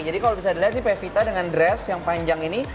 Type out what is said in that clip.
jadi kalau bisa dilihat nih pevita dengan dress yang panjang ini